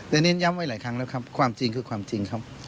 แต่เน้นย้ำไว้หลายครั้งแล้วครับความจริงคือความจริงครับ